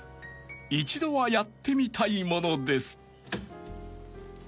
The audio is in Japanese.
一度はやってみたいものです］